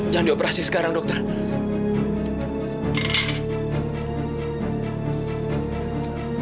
makasih nonprofit itu untuk mereka